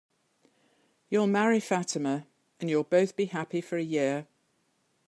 You'll marry Fatima, and you'll both be happy for a year.